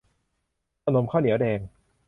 ขนมข้าวเหนียวแดง